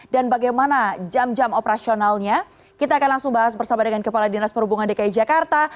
dan bagaimana jam jam operasionalnya kita akan langsung bahas bersama dengan kepala dinas perhubungan dki jakarta